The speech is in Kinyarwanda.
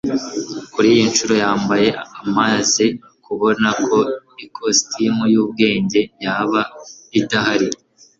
Kuriyi nshuro yambaye amaze kubona ko ikositimu yubwenge yaba idahari